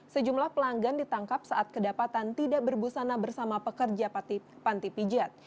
sejumlah pelanggan ditangkap saat kedapatan tidak berbusana bersama pekerja panti pijat